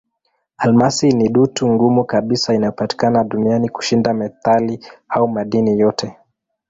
Almasi ni dutu ngumu kabisa inayopatikana duniani kushinda metali au madini yote.